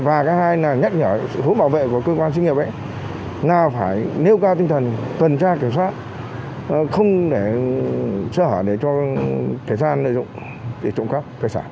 và cái hai là nhắc nhở hỗn bảo vệ của cơ quan sinh nhập